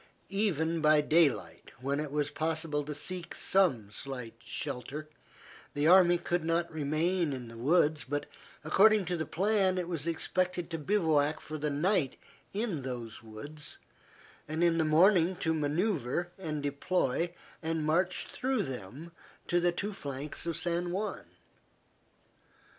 Even by daylight, when it was possible to seek some slight shelter, the army could not remain in the woods, but according to the plan it was expected to bivouac for the night in those woods, and in the morning to manoeuvre and deploy and march through them to the two flanks of San Juan.